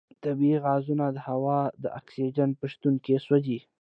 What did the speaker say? طبیعي غازونه د هوا د اکسیجن په شتون کې سوځي.